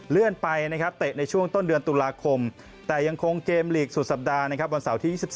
เลื่อนไปเตะในช่วงต้นเดือนตุลาคมแต่ยังคงเกมไทยลีกส์สุดสัปดาห์วันเสาร์ที่๒๔